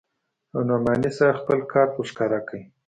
او نعماني صاحب خپل کارت ورښکاره کړ.